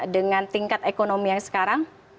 dengan tingkat ekonomi yang sekarang